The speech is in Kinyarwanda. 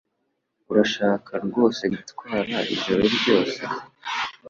Urashaka rwose gutwara ijoro ryose?